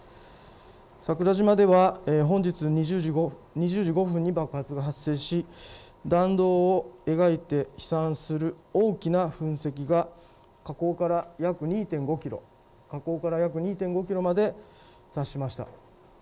桜島では本日２０時５分に爆発が発生し、弾道を描いて飛散する大きな噴石が火口から約２．５キロまで達しました。